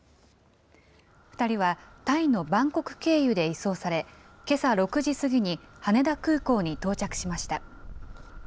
２人はタイのバンコク経由で移送され、けさ６時過ぎに羽田空港に到着しました。